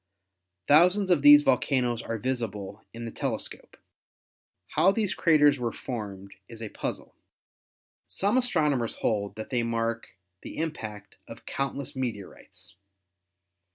Thousands of these volcanoes are visible in the telescope. How these craters were formed is a puzzle. Some astronomers hold that they mark the im pact of countless meteorites.